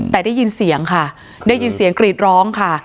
แต่ได้ยินเสียงค่ะได้ยินเสียงกรีดร้องค่ะ